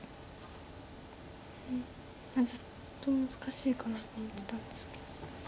ずっと難しいかなと思ってたんですけど。